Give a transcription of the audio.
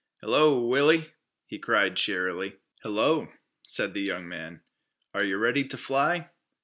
"Hello, Willie," he cried cheerily. "Hello," said the young man. "Are yeh ready t' fly?"